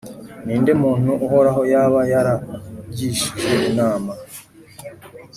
Ni nde muntu Uhoraho yaba yaragishije inama,